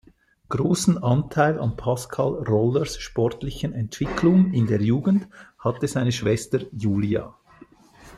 Großen Anteil an Pascal Rollers sportlichen Entwicklung in der Jugend hatte seine Schwester Julia.